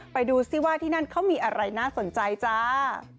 ไปดูซิว่าที่นั่นเขามีอะไรน่าสนใจจ้า